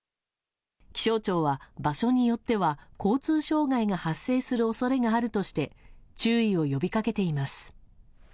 気象庁は、場所によっては交通障害が発生する恐れがあるとして注意を呼びかけています。